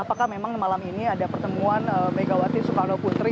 apakah memang malam ini ada pertemuan megawati soekarno putri